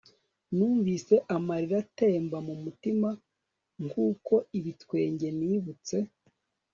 numvise amarira atemba mumatama nkuko ibitwenge nibutse